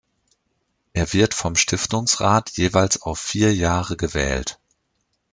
Er wird vom Stiftungsrat jeweils auf vier Jahre gewählt.